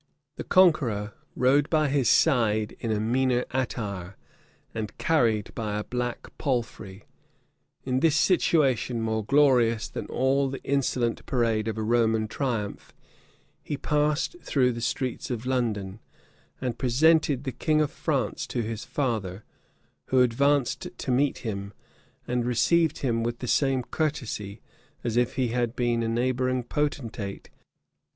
The conqueror rode by his side in a meaner attire, and carried by a black palfrey. In this situation, more glorious than all the insolent parade of a Roman triumph, he passed through the streets of London, and presented the king of France to his father, who advanced to meet him, and received him with the same courtesy as if he had been a neighboring potentate that had voluntarily come to pay him a friendly visit.